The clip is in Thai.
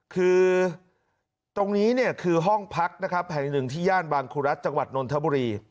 คือตรงนี้เนี่ยคือห้องพักนะครับแห่งหนึ่งที่ย่านบางคุรัฐจังหวัดนนทบุรี